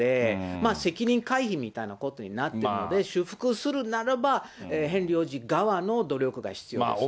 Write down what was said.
まあ責任回避みたいなことになってるので、修復するならば、ヘンリー王子側の努力が必要です。